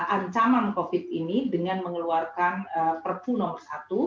ancaman covid ini dengan mengeluarkan perpu nomor satu